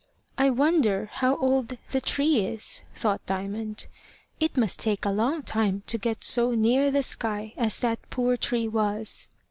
"I wonder how old the tree is!" thought Diamond. "It must take a long time to get so near the sky as that poor tree was."